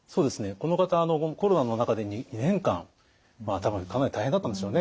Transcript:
この方コロナの中で２年間多分かなり大変だったんでしょうね。